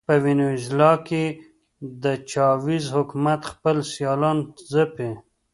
په وینزویلا کې د چاوېز حکومت خپل سیالان ځپي.